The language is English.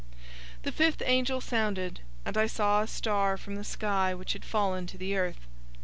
009:001 The fifth angel sounded, and I saw a star from the sky which had fallen to the earth.